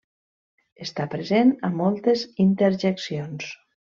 Està present a moltes interjeccions.